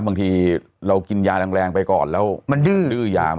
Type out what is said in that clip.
บางทีเรากินยาแรงไปก่อนแล้วมันดื้อดื้อยามา